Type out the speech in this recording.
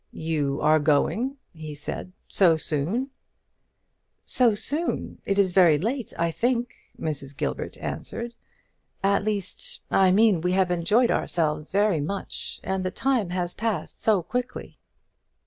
"You are going?" he said; "so soon!" "So soon! it is very late, I think," Mrs. Gilbert answered; "at least, I mean we have enjoyed ourselves very much; and the time has passed so quickly."